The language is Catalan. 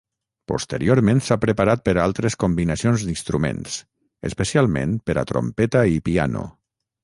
Posteriorment s'ha preparat per a altres combinacions d'instruments, especialment per a trompeta i piano.